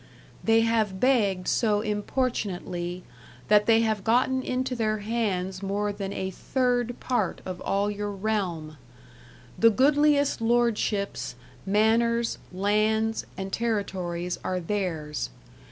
They have begged so importunatly that they have gotten ynto their hondes more than a therd part of all youre Realme. The goodliest lordshippes, maners, londes, and territories, are theyres.